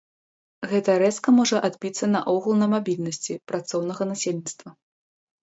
Гэта рэзка можа адбіцца наогул на мабільнасці працоўнага насельніцтва.